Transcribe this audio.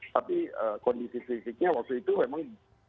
tapi kondisi fisiknya waktu itu memang